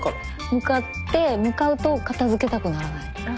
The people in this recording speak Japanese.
向かって向かうと片づけたくならない？